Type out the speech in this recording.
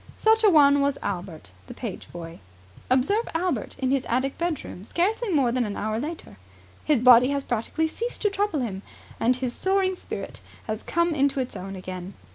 Such a one was Albert, the page boy. Observe Albert in his attic bedroom scarcely more than an hour later. His body has practically ceased to trouble him, and his soaring spirit has come into its own again.